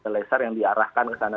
laser yang diarahkan ke sana